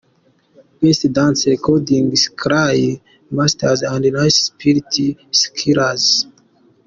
Best Dance Recording - Scary Monsters and Nice Sprites, Skrillex.